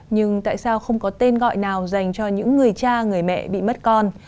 nhưng tại sao không có tên gọi nào dành cho những người cha người mẹ bị mất con